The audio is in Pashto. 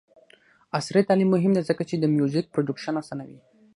عصري تعلیم مهم دی ځکه چې د میوزیک پروډکشن اسانوي.